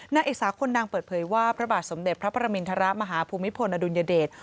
นางเอกสาวคนดังเปิดเผยว่าพระบาทสมเด็จพระประมินทรมาฮภูมิพลอดุลยเดช